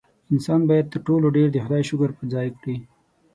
انسان باید تر ټولو ډېر د خدای شکر په ځای کړي.